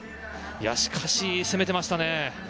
しかし攻めていましたね。